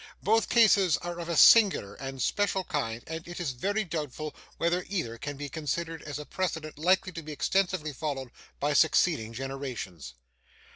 Both cases are of a singular and special kind and it is very doubtful whether either can be considered as a precedent likely to be extensively followed by succeeding generations.